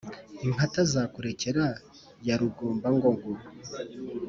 inkatazakurekera ya rugombangogo